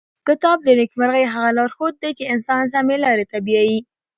کتاب د نېکمرغۍ هغه لارښود دی چې انسان سمې لارې ته بیايي.